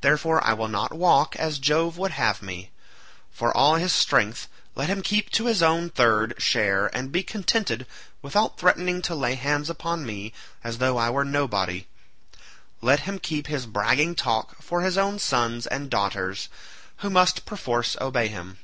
Therefore I will not walk as Jove would have me. For all his strength, let him keep to his own third share and be contented without threatening to lay hands upon me as though I were nobody. Let him keep his bragging talk for his own sons and daughters, who must perforce obey him."